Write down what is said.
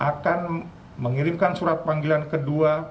akan mengirimkan surat panggilan kedua